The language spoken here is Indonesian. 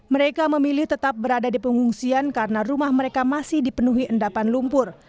mereka memilih tetap berada di pengungsian karena rumah mereka masih dipenuhi endapan lumpur